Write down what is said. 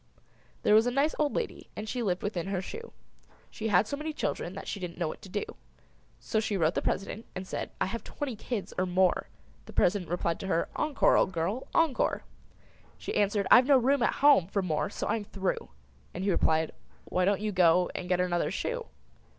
There was a nice old lady and She lived within her shoe; She had so many children that She didn't know what to do. She wrote the President and said "I have twenty kids or more!" The President replied to her "Encore, old girl, encore!" She answered, "I've no room at home For more, so I am through!" And he replied, "Why don't you go And get another shoe?"